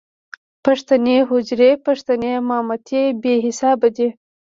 پښتنې حجرې، پښتنې مامتې بې صاحبه دي.